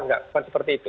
tidak seperti itu